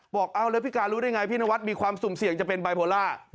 เอ้าแล้วพี่การรู้ได้ไงพี่นวัดมีความสุ่มเสี่ยงจะเป็นบายโพล่า